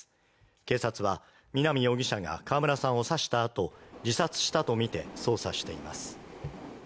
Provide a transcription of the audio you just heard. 警察は南容疑者が川村さんを刺した後、自殺したとみて捜査しています。